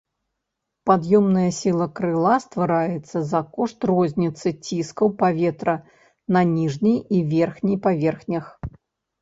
Пад'ёмная сіла крыла ствараецца за кошт розніцы ціскаў паветра на ніжняй і верхняй паверхнях.